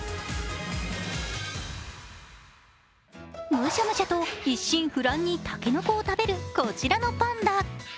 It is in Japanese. むしゃむしゃと一心不乱に竹の子を食べる、こちらのパンダ。